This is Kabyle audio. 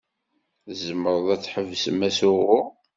Tzemrem ad tḥebsem asuɣu?